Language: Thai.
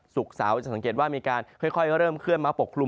เสาร์จะสังเกตว่ามีการค่อยเริ่มเคลื่อนมาปกคลุม